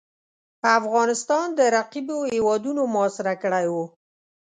افغانستان د رقیبو هیوادونو محاصره کړی وو.